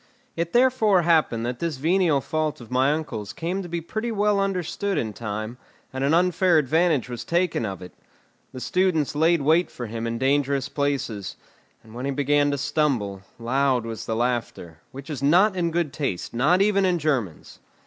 It therefore happened that this venial fault of my uncle's came to be pretty well understood in time, and an unfair advantage was taken of it; the students laid wait for him in dangerous places, and when he began to stumble, loud was the laughter, which is not in good taste, not even in Germans.